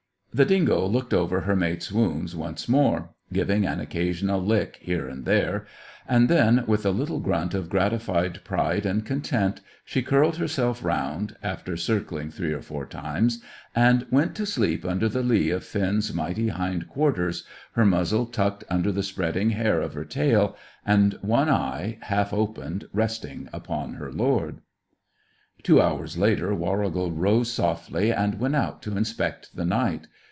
The dingo looked over her mate's wounds once more, giving an occasional lick here and there, and then, with a little grunt of gratified pride and content, she curled herself round, after circling three or four times, and went to sleep under the lee of Finn's mighty hind quarters, her muzzle tucked under the spreading hair of her tail, and one eye, half opened, resting upon her lord. Two hours later, Warrigal rose softly and went out to inspect the night.